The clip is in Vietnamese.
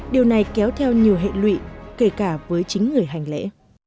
điều này kéo theo nhiều hệ lụy kể cả với chính người hành lễ